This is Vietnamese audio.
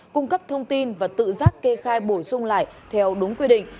cung cấp thông tin và tự giác kê khai bổ sung lại theo đúng quy định